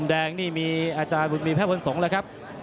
แดงนี่มีอาจารย์บุตรมีแพทย์พลสงฆ์แล้วครับ